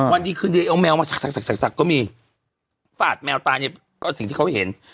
วันดีคืนดีเอาแมวมาสักก็มีฝาดแมวตายเนี่ยก็สิ่งที่เขาเห็น